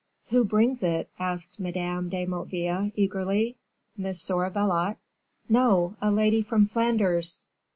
"Who brings it?" asked Madame de Motteville, eagerly; "Monsieur Valot?" "No; a lady from Flanders."